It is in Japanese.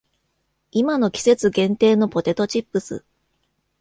今の季節限定のポテトチップス